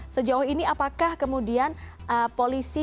sejauh ini apakah kemudian polisi